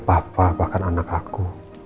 papa bahkan anak aku